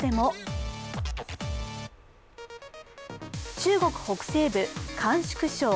中国北西部・甘粛省。